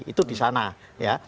itu di sana ya